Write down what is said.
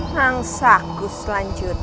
nangsa ku selanjutnya